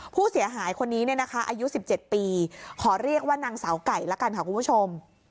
ผู้เสียหายคนนี้เนี่ยนะคะอายุ๑๗ปีขอเรียกว่านางสาวไก่ละกันค่ะคุณผู้ชม